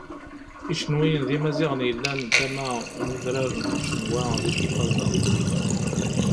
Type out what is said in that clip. Icenwiyen d Imaziɣen yellan deg tama n udran n Cenwa di Tipaza.